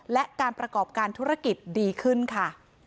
และการประกอบการธุรกิจดีขึ้นค่ะ